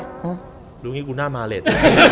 หรืออย่างงี้กูน่ามาเลส